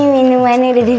minuman udah didih